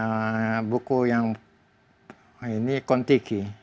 nah itu buku yang ini kontiki